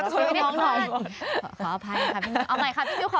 ขออภัยค่ะเอาใหม่ครับพี่มิ้วคลิกถุกตั้งค่ะ